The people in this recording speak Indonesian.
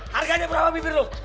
harganya berapa bibir lo